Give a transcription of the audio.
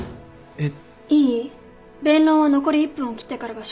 えっ？